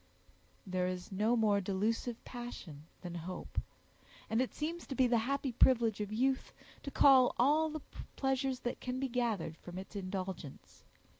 There is no more delusive passion than hope; and it seems to be the happy privilege of youth to cull all the pleasures that can be gathered from its indulgence.